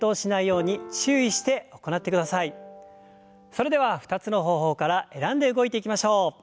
それでは２つの方法から選んで動いていきましょう。